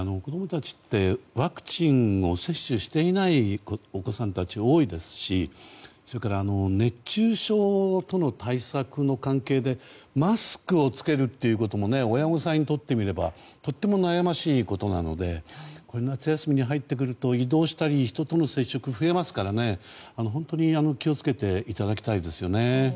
ワクチンを接種していないお子さんたち多いですし熱中症との対策の関係でマスクを着けるということも親御さんにとってみればとても悩ましいことなので夏休みに入ってくると移動したり人との接触が増えますので本当に気を付けていただきたいですよね。